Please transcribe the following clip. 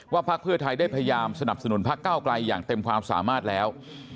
พักเพื่อไทยได้พยายามสนับสนุนพักเก้าไกลอย่างเต็มความสามารถแล้ว